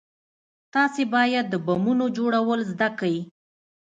تاسې بايد د بمونو جوړول زده كئ.